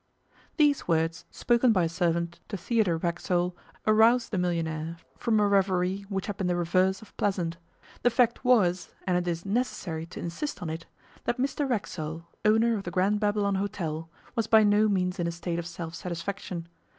These words, spoken by a servant to Theodore Racksole, aroused the millionaire from a reverie which had been the reverse of pleasant. The fact was, and it is necessary to insist on it, that Mr Racksole, owner of the Grand Babylon Hôtel, was by no means in a state of self satisfaction.